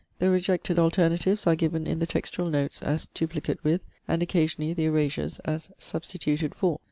The rejected alternatives are given in the textual notes, as 'duplicate with'; and occasionally the erasures, as 'substituted for.'